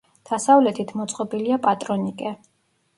დასავლეთით მოწყობილია პატრონიკე.